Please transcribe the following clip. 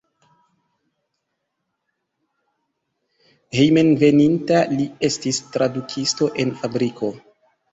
Hejmenveninta li estis tradukisto en fabriko.